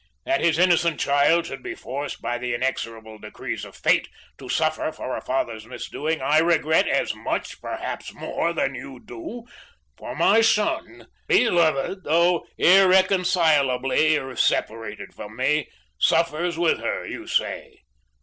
That his innocent child should be forced, by the inexorable decrees of fate, to suffer for a father's misdoing, I regret as much, perhaps more, than you do; for my son beloved, though irreconcilably separated from me suffers with her, you say.